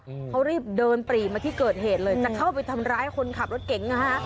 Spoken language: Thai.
อืมเขารีบเดินปรีมาที่เกิดเหตุเลยจะเข้าไปทำร้ายคนขับรถเก๋งนะฮะ